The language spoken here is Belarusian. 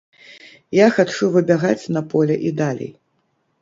Я хачу выбягаць на поле і далей.